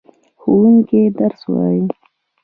ښوونکی درس وايي.